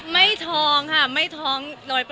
ไม่ทองค่ะไม่ทอง๑๐๐